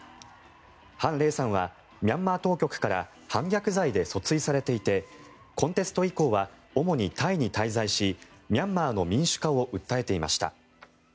ハンレイさんはミャンマー当局から反逆罪で訴追されていてコンテスト以降は主にタイに滞在しミャンマーの民主化を訴えていました。